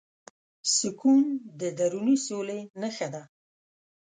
سکون د دروني سولې نښه ده.